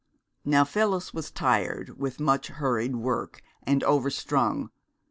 Now, Phyllis was tired with much hurried work, and overstrung.